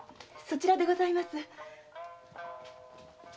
そちらでございます。